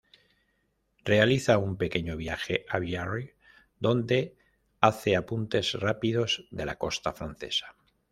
Realiza un pequeño viaje a Biarritz donde hace apuntes rápidos de la costa francesa.